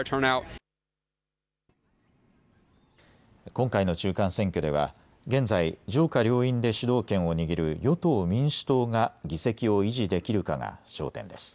今回の中間選挙では現在、上下両院で主導権を握る与党民主党が議席を維持できるかが焦点です。